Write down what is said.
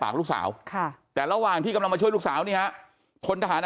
ลูกสาวค่ะแต่ระหว่างที่กำลังมาช่วยลูกสาวนี่ฮะพลทหาร